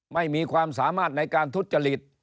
ไม่มีความสามารถในการทุจริต